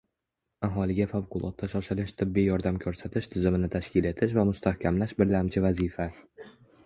Aholiga favqulodda shoshilinch tibbiy yordam ko‘rsatish tizimini tashkil etish va mustahkamlash birlamchi vazifa.